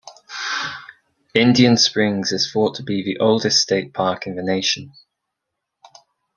Indian Springs is thought to be the oldest state park in the nation.